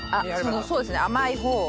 そうですね甘い方を。